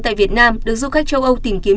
tại việt nam được du khách châu âu tìm kiếm